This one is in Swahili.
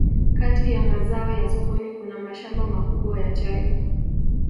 Kati ya mazao ya sokoni kuna mashamba makubwa ya chai